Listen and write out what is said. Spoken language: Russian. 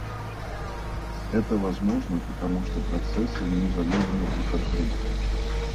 Это возможно, потому что процессы не изолированы друг от друга